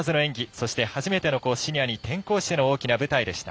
そして、初めてのシニアに転向しての大きな舞台でした。